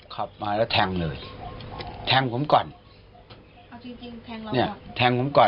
ขับมาแล้วแทงเลยแทงของผมก่อน